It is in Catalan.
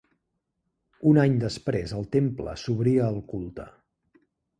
Un any després el temple s'obria al culte.